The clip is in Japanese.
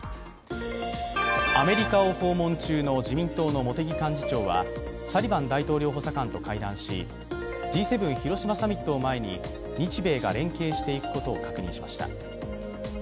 アメリカを訪問中の自民党の茂木幹事長はサリバン大統領補佐官と会談し、Ｇ７広島サミットを前に、日米が連携していくことを確認しました。